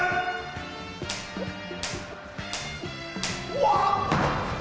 うわ！